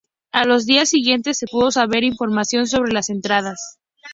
A los días siguientes se pudo saber información sobre las entradas.